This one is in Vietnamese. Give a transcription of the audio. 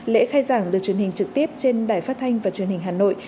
lễ khai giảng được truyền hình trực tiếp trên đài phát thanh và truyền hình hà nội